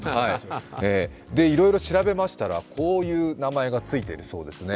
いろいろ調べましたらこういう名前がついているそうですね。